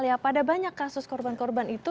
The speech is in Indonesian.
ya pada banyak kasus korban korban itu